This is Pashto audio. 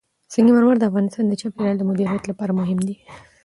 سنگ مرمر د افغانستان د چاپیریال د مدیریت لپاره مهم دي.